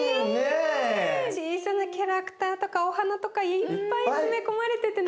小さなキャラクターとかお花とかいっぱい詰め込まれててね。